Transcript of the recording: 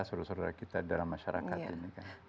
saudara saudara kita dalam masyarakat ini